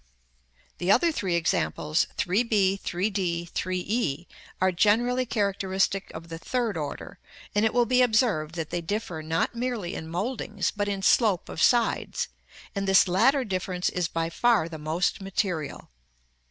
The other three examples, 3 b, 3 d, 3 e, are generally characteristic of the third order; and it will be observed that they differ not merely in mouldings, but in slope of sides, and this latter difference is by far the most material.